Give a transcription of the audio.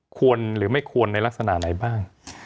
ควรหรือไม่ควรในลักษณะไหนบ้าง